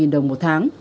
ba mươi đồng một tháng